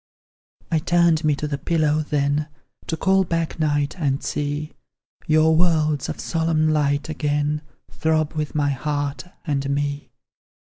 I turned me to the pillow, then, To call back night, and see Your worlds of solemn light, again, Throb with my heart, and me!